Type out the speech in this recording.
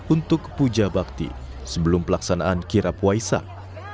untuk puja bakti sebelum pelaksanaan kirap waisak